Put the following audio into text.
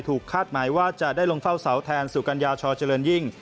คาดหมายว่าจะได้ลงเฝ้าเสาแทนสุกัญญาชอเจริญยิ่ง